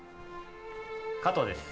加藤です